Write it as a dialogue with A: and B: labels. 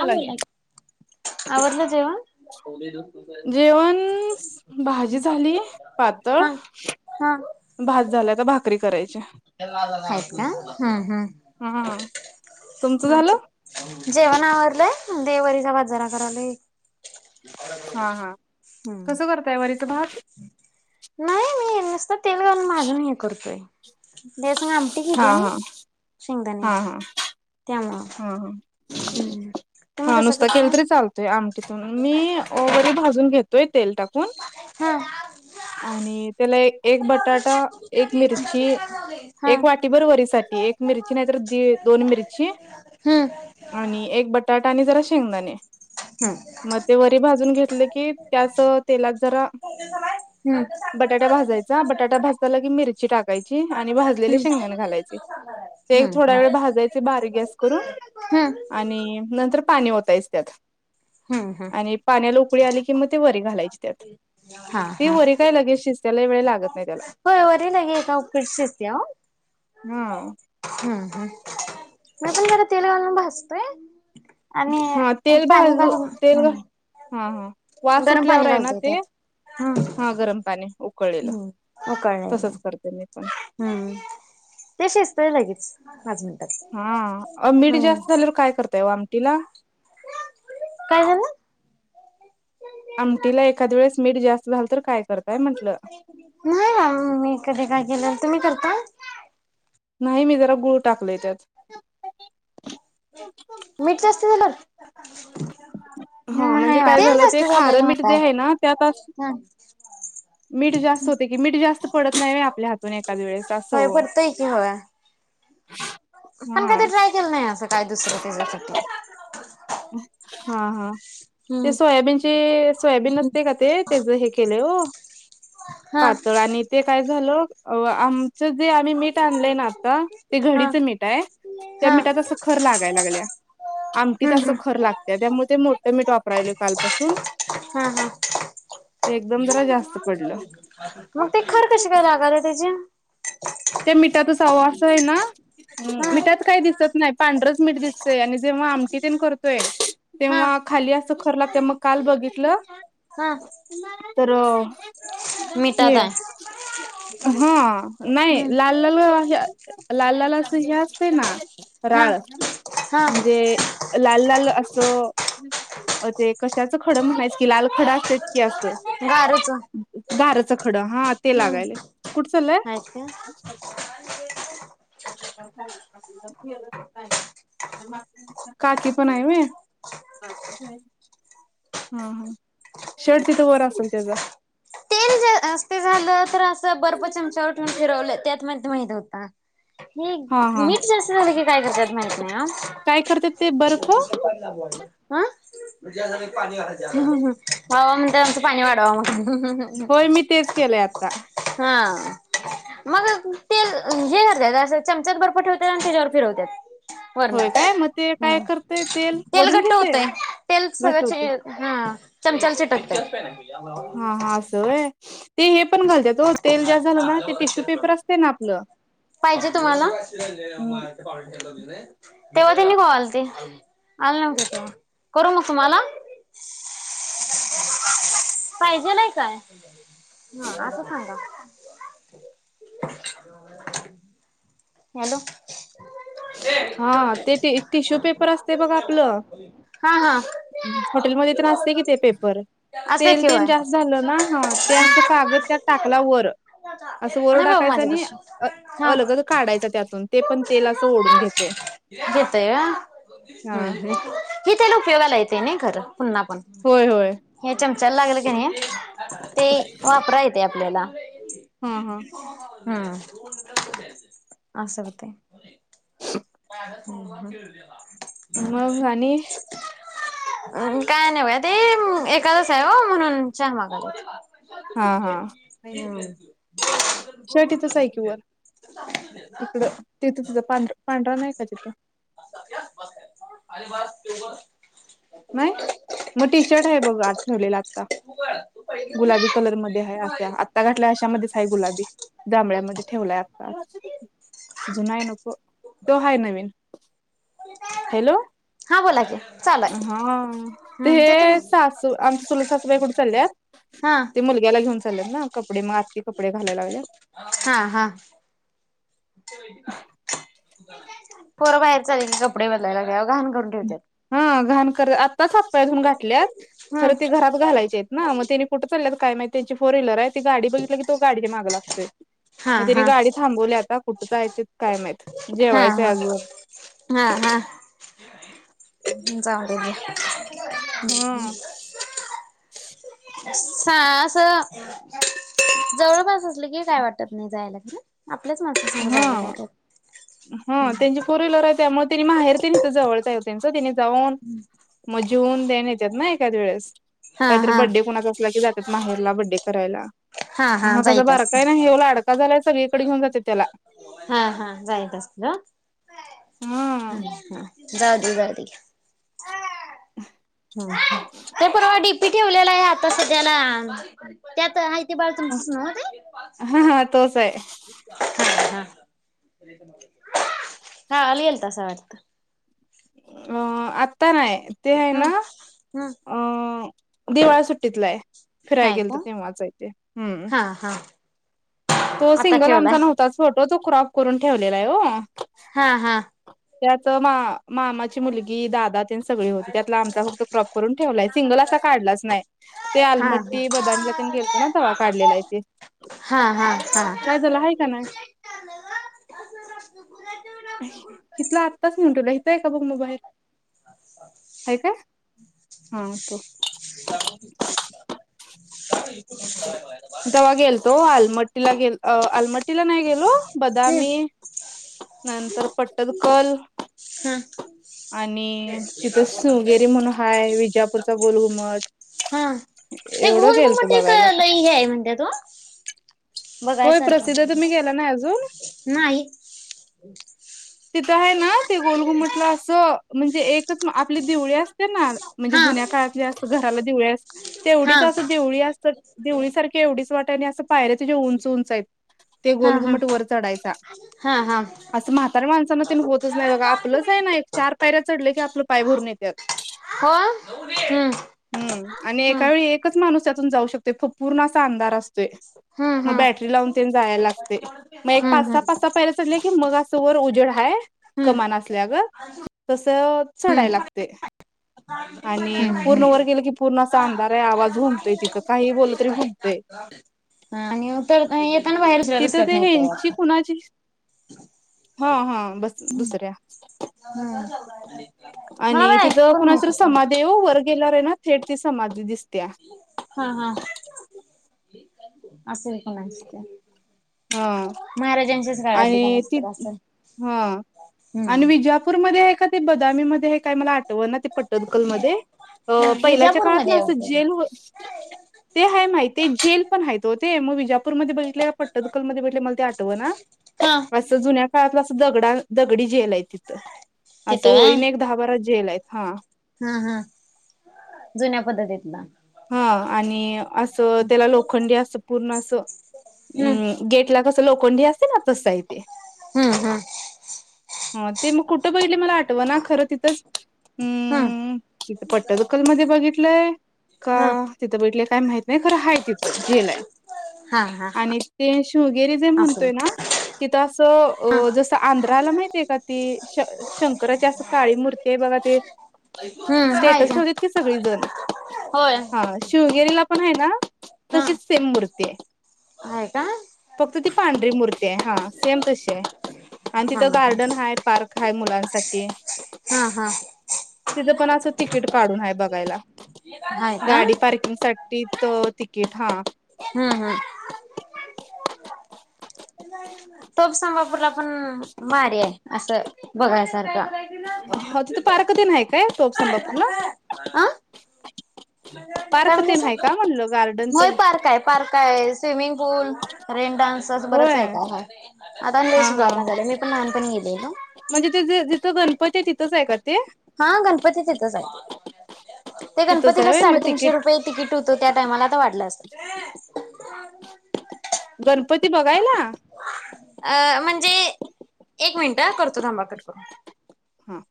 A: हा बोला
B: च!
A: की. आवरलं जेवण! ! हो दु [unintelligible] [unintelligible]
B: जेवण भाजी झाली पातळ!
A: हा हा आ! !
B: भात झाल्या त भाकरी करायची.
A: त्या नादाल लागयच हंका हं ह
B: हा तुमचं झालं
A: [unintelligible] जेवण आवरलंय दे वरीचा भात जरा करालोय!
B: हं हंकसं कस करताय वरीच भात?
A: नाही नाही मी, नुसत तेल घालून मा ज भाजून हे करतोय तेसंग आमटी
B: हा
A: केेलीया
B: हा
A: आणि
B: हा
A: शेंगदाण्याची
B: हा
A: यांना
B: हा हा
A: हम! !
B: हा नुसता केलं तरी चालतय, आमटीतून मी वरी भाजून घेतो. तो तेल टाकून?
A: हा!
B: आणि त्याला एक एक बटाटा एक मिरची
A: हा
B: एक वाटी भर वरी साठी, एक मिरची नाही तर, दोन मिरची.
A: हम्म हम्म.
B: आणि एक बटाटा आणि जरा शेंगदाणे.
A: हम्म.
B: मग ते वरी भाजून घेतलं की त्याच तेलात जरा
A: हम्म.
B: बटाटा भाजायचा, बटाटा भाजताला की, मिरची टाकायची आणि भाजलेली शेंगदाण घालायचे.
A: हा.
B: ते थोड्या वेळ भाजायचे बारीक गॅस करून.
A: हम्म.
B: आणि नंतर पाणी ओतायच त्यात.
A: हम्म हम्म
B: आणि पाण्याला उकळी आली की मग ते वरी घालायची त्यात,
A: हा
B: ती
A: हा.
B: वरी काय लगेच शिज त्याला वेळ लागत नाही त्याला,
A: होय वरील लगे एका उकडीत
B: हा.
A: हम्म-हम्म, मी पण जरा तेल घालून भाजतोय आणि, मग पाणी.
B: तू
A: घालून
B: तेल,
A: हम्म.
B: हा-हा वास
A: गरम पाणी
B: सुटल्यावर आहे ना,
A: घालतोय
B: ते.
A: त्यात.
B: हा
A: हम्म
B: गरम पाणी उकळलेलं,
A: उकळलेलं
B: तसच करते मी पण.
A: हम्म, ते शिजतंय लगेच. पाच मिनटात.
B: हा, अ मीठ जास्त झाल्यावर काय करताय ओ आमटीला.
A: काय झालं.
B: आमटीला एखाद वेळेस मीठ जास्त झालं तर काय करताय म्हटलं?
A: नाही ना, मी कधी काय केलं. तुम्ही करता?
B: नाही मी जरा गुळ टाकलाय त्यात.
A: मीठ जास्त झालं.
B: हा म्हणजे
A: नाही
B: काय
A: तेल
B: झालं,
A: जास्त
B: ते
A: झालेलं
B: खारं मीठ जे
A: म्हणताय.
B: आहे ना त्यातास मीठ जास्त होते की, मीठ जास्त पडत नाही होय, आपल्या हातून एखाद्या वेळेस असं ओ.
A: होतंय की हो, पण
B: हा.
A: कधी ट्राय केलं नाही, असं काय दुसरं तिसऱ्या त्याच्यासाठी.
B: हा-हा. ते
A: हम्म.
B: सोयाबीनचे सोयाबीन नसतं का ते, त्याच हे केले आहे ओ.
A: हा
B: पातळ आणि ते काय झालं आम तर जे आम्ही मीठ आणलंय ना आता, ते
A: हा
B: घडीचं मीठ हाय. त्या
A: हा
B: मिठात अस खर लागायला लागल्या. आम तिथं
A: हम्
B: अस
A: हम
B: खर लागत्या. त्यामुळे ते मोठं मीठ वापरालोय कालपासून.
A: हा हा
B: ते एकदम जरा जास्त पडलं.
A: आरे त्याच्या.
B: ते मिठात असवं असं आहे ना,
A: हा
B: मिठात काही दिसत नाही. पांढरच मीठ दिसतय, आणि जेव्हा आमटी ते करतोय
A: हा
B: तेव्हा खाली अस खर लागत्या मग काल बघितलं
A: हा
B: तर हे
A: मिठात आहे
B: हम्म, नाही
A: हम्
B: लाल-लाल लाल-लाल अस हे असते ना,
A: हा
B: राळ,
A: हा
B: म्हणजे लाल-लाल असं, ते कशाचं खडं म्हणायचं, की लाल खडं असते. हे असं,
A: गारच
B: गारच खड, हा. ते लागायलय
A: हम्म,
B: कुठ चाललाय
A: आहेत का?
B: [inaudible] काकी पण आहे होय? हा-हा शर्ट तिथ वर असेल त्याचा.
A: तेल असते झालं तर अस, बर्फ चमचावर ठेवून फिरवलं त्यात मण माहीत होता. हे
B: हा हा
A: मीठ जास्त झालं की काय करतात माहित नाही हा.
B: काय करतात ते बर्फ?
A: लांब वाटलं. ह अबा म्हणतय आमचं पाणी वाढवं म्हन. हम्म.
B: केले आता.
A: हा. मग तेल हे करतात असं चमच्यात बर्फ ठेवतात आणि त्याच्यावर फिरवतात. वरण
B: होय काय मग ते काय
A: ह
B: करते
A: तेल
B: वढून
A: घट्ट
B: घेते
A: होतय तेल
B: घट्ट
A: सगळ्याचे
B: होते
A: हा चमचाल चिटकत.
B: हा हा असं होय. ते हे पण घालत्यात ओ तेल जास्त झालं ना ते टिश्यू पेपर असते ना आपलं.
A: पाहिजे तुम्हाला?
B: हम्म
A: तेव्हा तेनि कवा आलती आले नव्हत तेव्हा करू ना तुम्हाला. पाहिजेल आहे काय? हा असं सांगा. हॅलो.
B: हा ते टिश्यू पेपर असते बघ आपलं.
A: हा. हा
B: हॉटेलमध्ये तर असता कि ते पेपर.
A: असं
B: तेल
A: किंवा
B: तेन जास्त
A: नाही
B: झालं ना हा ते असं कागद त्यात टाकला वर असं वर
A: बाबा
B: टाकायचं आणि
A: माझ्यापाशी हा
B: अलगत काढायच त्यातून ते पण तेल असं ओढून घेतेय.
A: घेतय होय हम्म हम्म हे तेल उपयोगाला येतेय नाही खरं पुन्हा पुन्हा.
B: होय होय.
A: हे चमचाला लागल कनी ते वापराय येतेय आपल्याला.
B: हा हा
A: हम्म अस हूतय. हम्म हम्म.
B: मग आणि.
A: आणि काय नाही बघा ते एकादस आहे वो म्हणून चहा मागाल्यात.
B: हा हा
A: हम्म हम्म.
B: शर्ट
A: [unintelligible]
B: तिकडं तिथं तिथं पां पांढरा नाही का तिथं.
A: [unintelligible]
B: नाही मग टी शर्ट आहे बघ आत ठेवलेला आत्ता. गुलाबी कलर मध्ये आहे अस्या आत. आत्ता घातलाय अशामध्येच हाय गुलाबी जांभळ्यामध्ये ठेवलाय आता. जुना हाय नको तो हाय नवीन हॅलो.
A: हा बोला की. चालू
B: हा
A: आहे
B: ते
A: हम्म तुम
B: हे सासू आमची चुलत सासूबाई कुठं चालल्यात.
A: हा
B: ते मुलग्याला घेऊन चालल्यात ना कपडे मग आत्ती कपडे घालाय लागल्यात.
A: हा हा. पोरं बाहेर चालेल की कपडे बदलायला लागतात घाण करून ठेवत्यात
B: हा घाण कर आत्ताच हात-पाय धुवून घातल्यात
A: हम्म
B: खरं ते घरात घालायचे आहेत ना मग तेनी. कुठं चालल्यात काय माहिती त्यांची फोर व्हीलर आहे. ती गाडी बघितली की तो गाडीच्या माग लागतोय.
A: हा
B: मग तेनी
A: हा
B: गाडी थांबवली आता कुठं जायाची हायत काय माहित.
A: हा
B: जेवायचंय
A: हा
B: अजून
A: हा हा. जाऊ दे घे.
B: हा
A: शाळा असं जवळपास असलं की काय वाटत नाही जायला. आपल्याच माणसां सगं जायला काय.
B: हा हा त्यांची फोर व्हीलर आहे. त्यामुळं तेनी माहेर तेन इथं जवळच आहे वो त्यांचं त्यानी जाऊन. मग जिऊन तेन येत्यात ना एखाद वेळेस.
A: हा
B: कायतर
A: हा
B: बड्डे कुणाचा असला की जात्यात माहेरला बड्डे करायला. हा कसा बारकाय ना ह्यो लाडका झालाय सगळीकडं घेऊन जात्यात त्याला.
A: हा हा जाईत असतील हो
B: हा
A: ह जाऊ देऊ जाऊ दे.
B: [unintelligible]
A: ह तर परवा डीपी ठेवलेला आहे सध्याला त्यात हायत. ते बाळ तुमचंच नव्हं ते.
B: हा हा तोच आहे
A: हा हा हा गावाला गेलतासा वाटतं.
B: अं आता नाही ते आहे
A: हम्म
B: ना.
A: हम्म.
B: अ दिवाळी सुट्टीतला हाय फिराय
A: हाय
B: गेलतो
A: का?
B: तेव्हाचा हाय ते हूं.
A: हा हा.
B: तो
A: आता
B: सिंगल आमचा
A: ठेवलाय
B: नव्हताच फोटो तो क्रॉप करून ठेवलेला आहे हो.
A: हा हा.
B: त्यात मा मामाची मुलगी दादा तेन सगळी होती त्यातला आमचा फक्त क्रॉप करून ठेवलाय सिंगल असा काढलाच नाही ते
A: हा
B: आलमट टी बदामीला तेन गेलतो ना तवा काढलेला आहे तेे.
A: हा हा हा.
B: काय झालं आहे का नाही. इथलं आत्ताच नेवून ठेवलंय इथंय का बघ बघू बाहेर आहे काय? हा तो.
A: [unintelligible] व्हय व्हय रबा.
B: तवा गेलतो आलमट्टीला गेल आलमट्टीला नाही गेलो
A: हम्म
B: बदामी नंतर पट्टलकल.
A: हम्म.
B: आणि तिथं शिवगेरी म्हणून हाय विजापूरचा गोलघुमट.
A: हा ते
B: एवढं गेलतो
A: गोलगुमट
B: बघायला
A: लई हे हाय म्हणत्यात ओ.
B: होय प्रसिद्ध आहे.
A: बघायसारखं
B: तुम्ही गेला नाही अजून?
A: नाही.
B: तिथ आहे ना ते गोलघुमटला असं म्हणजे एक. तेच मग आपली दिवळी असत्या ना म्हणजे
A: हा
B: जुन्या काळातल्या असं घराला दिवळी असत्या
A: हा
B: तेवढीच असं देवळी असत्या देवळीसारखी एवढीच वाट आहे आणि असं पायऱ्या उंच उंच हायत ते
A: हा हा
B: गोलघुमट वर चढायचा.
A: हा हा.
B: असं म्हाताऱ्या माणसांना तेन होतच नाही बघा आपलंच आहे ना एक चार पायऱ्या चढलं की आपलं पाय भरून येत्यात.
A: होय?
B: हम्म आणि एका वेळी एकच माणूस त्यातून जाऊ शकतो फ पूर्ण असा अंधार असतोय.
A: हम्म
B: मग
A: हम्म
B: बॅटरी लावून तेन जायला लागतय. मग एक
A: हम्म
B: पाच
A: हम्म
B: सहा पाच सहा पायऱ्या चढल्या की मग अस वर उजेड हाय,
A: हम्म
B: कमान असल्यागत, तसं
A: हम्म
B: चढाय लागतय
A: [unintelligible]
B: आणि पूर्ण
A: हम्म
B: वर गेलं की पूर्ण असा अंधार आहे तिथं, आवाज घुमतय तिथं काही बोललं तरी घुमतंय.
A: आणि मग परत येताना बाहेर दुसऱ्या
B: तिथं ते
A: रस्त्यातनं येताय
B: ह्येची
A: वाटतं.
B: कुणाची, हा हा बस दुसऱ्या
A: हां
B: आणि तिथं कुणाची तरी समाधी आहे हो, वर गेल्यावर आहे ना थेट ती समाधी दिसत्या.
A: हा हा, असेल कुणाची तरी.
B: हां.
A: महाराजांच्या
B: आणि ति, हा आणि
A: हम्म
B: विजयापूरमध्ये आहे का ते बदामीमध्ये आहे काय मला आठवना ते पटदकल मध्ये, अ
A: हा
B: पहिल्याच्या काळात
A: विजापूरमध्ये
B: ना
A: आहे
B: असं
A: वाटतं ते
B: जेल ते हाय माहित, ते जेल पण आहेत ओ ते, मग विजा -पुरमध्ये बघितलं का पटदकलमध्ये बघितलं मला ते आठवंना
A: हां
B: असं जुन्या काळातलं, असं दगडा दगडी जेल आहे तिथं. असं
A: तिथं व्हय
B: ओळीने एक दहा बारा जेल आहेत, हा.
A: हा हा, जुन्या पद्धतीतलं.
B: हा आणि, असं त्याला लोखंडी असं पूर्ण असं
A: हम्म
B: अम् गेट ला कस लोखंडी असते ना तसं य ते.
A: हम्म हम्म
B: हं ते मग कुठं बघितलय मला आठव ना खरं तिथंच हम्म, इथ पट्टदकल मध्ये बघितलंय का
A: हम्म
B: तिथं बघितलय काय माहित नाही, खरं हाय तिथं जेल हाय,
A: हा हा हा
B: आणि ते शिवगेरीे जे
A: असं
B: म्हणतोय ना, तिथं असं
A: हा
B: अ जसं आंध्राला माहितीय का ती, श शंकराची असं काळी मूर्ती ते बघा ते,
A: हम्म हाय
B: स्टेटस
A: का
B: ठेवत्यात की सगळी जण.
A: होय.
B: अं शिवगेरीला पण आहे ना, तशीच सेम मूर्ती आहे.
A: आहे का?
B: फक्त ती पांढरी मूर्ती आहे हा, सेम तशी हाय. आणि
A: हा
B: तिथं
A: हा
B: गार्डन हाय पार्क हाय मुलांसाठी.
A: हा हा.
B: तिथं पण असं तिकीट काढून हाय बघायला.
A: हाय का
B: गाडी
A: हम्म
B: पार्किंगसाठीच तिकीट हा.
A: हा -हा. टोफ संभापूरला पण भारी हाय, असं बघायसारखं.
B: हो तिथे पार्क तेन हाय काय, टोप संभापूरला.
A: अ काय
B: तेन आहे
A: म्हणलासा?
B: का म्हणलं गार्डन
A: होय
B: तेन
A: पार्क आहे पार्क आहे स्विमिंग पूल रेन डान्सस बरंच
B: होय
A: काय काय हाय, आता लय
B: हा हा
A: सुधारना झाल्या, मी पण लहानपणी गेलेलो.
B: म्हणजे तेे जिथं गणपती आहे तिथंच आहे का ते?
A: हा गणपती तिथच हाय, ते
B: तिथंच आहे
A: गणपतीला
B: होय मग
A: साडेतीनशे
B: तिकीट
A: रुपय तिकीट हो तो त्या टायमाला, आता वाडलं अस [unintelligible]
B: गणपती बघायला.
A: अ म्हणजे एक मिनिट हा, करतो थांबा कट करून.
B: हा.